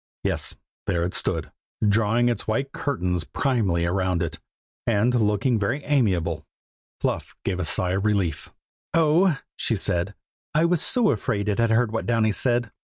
Yes, there it stood, drawing its white curtains primly round it, and looking very amiable. Fluff gave a sigh of relief. "Oh," she said, "I was so afraid it had heard what Downy said."